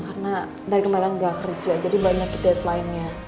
karena dari kemarin aku gak kerja jadi banyak deadline nya